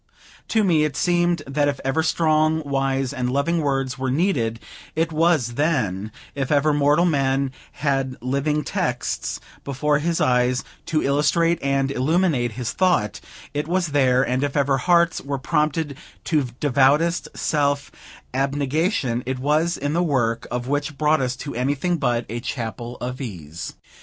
To me it seemed that if ever strong, wise, and loving words were needed, it was then; if ever mortal man had living texts before his eyes to illustrate and illuminate his thought, it was there; and if ever hearts were prompted to devoutest self abnegation, it was in the work which brought us to anything but a Chapel of Ease.